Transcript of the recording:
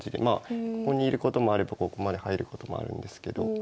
ここにいることもあればここまで入ることもあるんですけど。